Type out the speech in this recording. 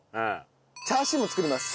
チャーシューも作ります。